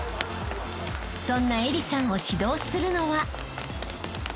［そんな愛理さんを指導するのは］